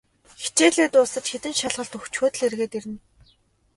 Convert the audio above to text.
Хичээлээ дуусаж, хэдэн шалгалт өгчхөөд л эргээд ирнэ.